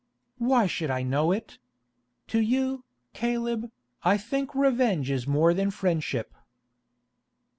"Why should I know it? To you, Caleb, I think revenge is more than friendship."